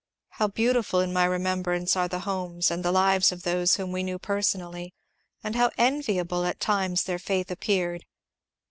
How beautiful in my remembrance are the homes and the lives of those whom we knew personally, and how enviable at times their faith appeared!